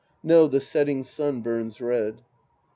No, the setting sun burns red.